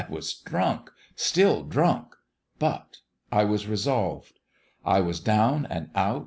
was drunk still drunk but I was resolved. I was down and out.